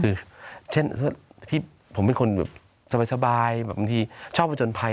คือเช่นพี่ผมเป็นคนแบบสบายสบายแบบบางทีชอบวันจนไพร